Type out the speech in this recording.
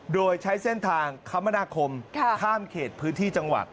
โดยใช้เส้นทางคมนาคมข้ามเขตพื้นที่จังหวัด